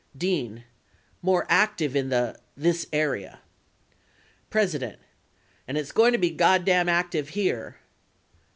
Dean, more active in the, this area. President. And it's going to be God damn active here.